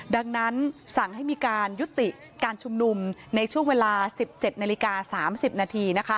ดังนั้นสั่งให้มีการยุติการชุมนุมในช่วงเวลา๑๗นาฬิกา๓๐นาที